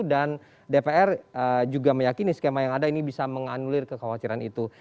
dan dpr juga meyakini skema yang ada ini bisa menganulir kekhawatiran itu